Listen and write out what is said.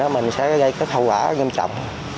mình sẽ gây hậu quả nghiêm trọng